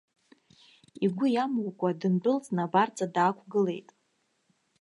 Игәы иамукәа дындәылҵны абарҵа даақәгылеит.